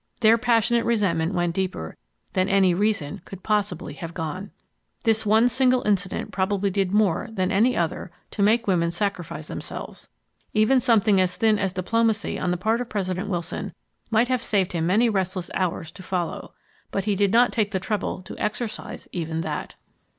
Their passionate resentment went deeper than any reason could possibly have gone. This one single incident probably did more than any other to make women sacrifice themselves. Even something as thin as diplomacy on the part of President Wilson might have saved him many restless hours to follow, but he did not take the trouble to exercise even that.